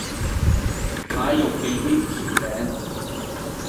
蟹肉忌廉薯餅